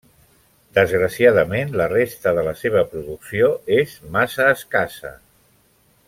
Desgraciadament, la resta de la seva producció és massa escassa.